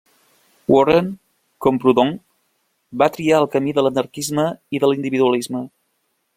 Warren, com Proudhon, va triar el camí de l'anarquisme i de l'individualisme.